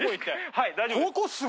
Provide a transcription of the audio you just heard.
はい大丈夫です。